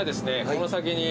この先に。